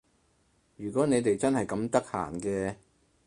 如果你哋真係咁得閒嘅